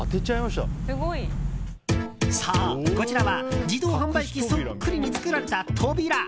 そう、こちらは自動販売機そっくりに作られた扉。